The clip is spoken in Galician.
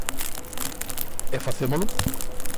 E facémolo?